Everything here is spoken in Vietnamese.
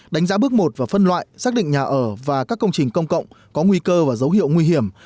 đánh giá bước một và phân loại xác định nhà ở và các công trình công cộng có nguy cơ và dấu hiệu nguy hiểm